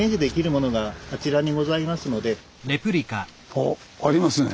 あっありますね。